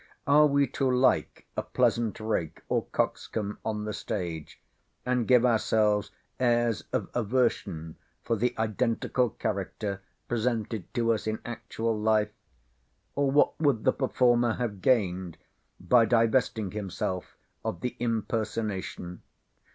Are we to like a pleasant rake, or coxcomb, on the stage, and give ourselves airs of aversion for the identical character presented to us in actual life? or what would the performer have gained by divesting himself of the impersonation?